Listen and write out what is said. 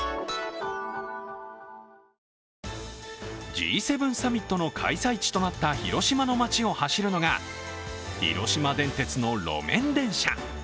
Ｇ７サミットの開催地となった広島の町を走るのが広島電鉄の路面電車。